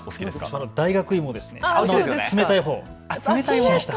私は大学芋ですね、冷たいほう。